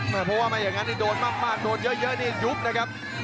เพราะว่าไม่อย่างนั้นโดนมากโดนเยอะนี่ยุบนะครับ